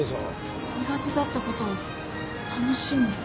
苦手だったことを楽しむ。